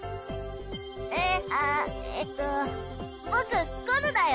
えあえっと僕コヌだよ。